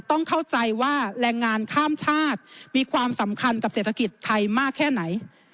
ต้องเข้าใจว่าแรงงานข้ามชาติมีความสำคัญกับเศรษฐกิจไทยมากแค่ไหน